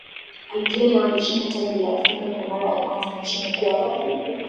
algeria walishinda taji la afrika kwa mara ya kwanza nchini kwao